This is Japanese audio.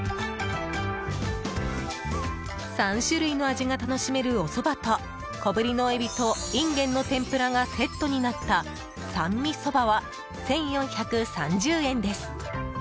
３種類の味が楽しめるおそばと小ぶりのエビとインゲンの天ぷらがセットになった、三味そばは１４３０円です。